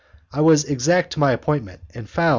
I was exact to my appointment and found M.